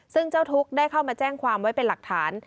ซึ่งเจ้าทุกข์ได้เข้ามาแจ้งความไว้เป็นหลักฐาน